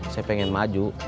saya pengen maju